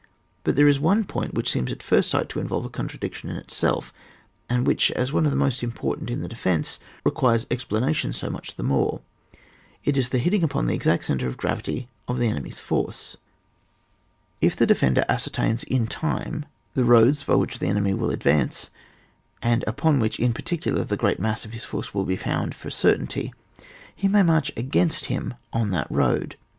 But there is one point which seems at first sight to involve a contradiction in itself, and which, as one of the most important in the defence, requires explanation so much the more. It is the hitting upon the exact centre of gravity of ti^e enemy's force. If the defender ascertains in time the roads by which the enemy will advance, and upon which in particular the great mass of his force will be found for a cer tainty, he may inarch against him on that road.